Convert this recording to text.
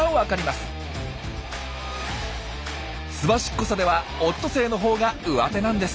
すばしこさではオットセイのほうがうわてなんです。